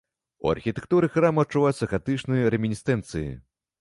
У архітэктуры храма адчуваюцца гатычныя рэмінісцэнцыі.